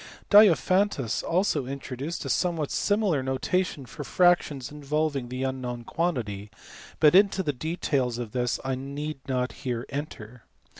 Diophantus also introduced a somewhat similar notation DIOPHANTUS. 107 for fractions involving the unknown quantity, but into the details of this I need not here enter.